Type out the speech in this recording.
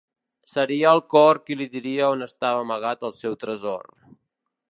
Seria el cor qui li diria on estava amagat el seu tresor.